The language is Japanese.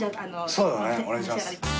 そうだねお願いします。